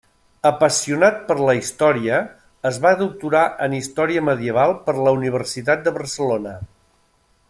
Apassionat per la història, es va doctorar en història medieval per la Universitat de Barcelona.